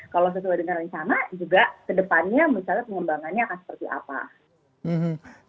kalau sesuai dengan rencana juga kedepannya misalnya pengembangannya akan seperti apa